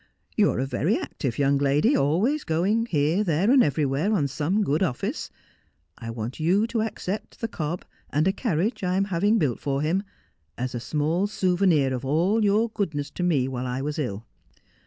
You are a very active young lady, always going here, there, and everywhere on some good office. I want you to accept the cob, and a carriage I am having built for him, as a small souvenir of all your goodness to me while I was ill.